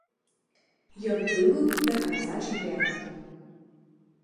Ён выбыў да канца чэмпіянату.